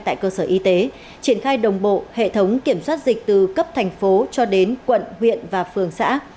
tại cơ sở y tế triển khai đồng bộ hệ thống kiểm soát dịch từ cấp thành phố cho đến quận huyện và phường xã